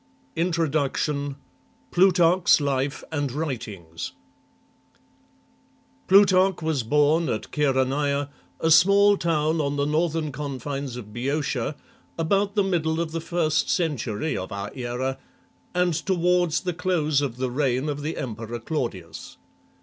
INTRODUCTION Prurarcn's Lire anp WriTINGS PLuTarcH was born at Chaeroneia, a small town on the northern confines of Boeotia, about the middle of the first century of our era, and toward the close of the reign of the emperor Claudius.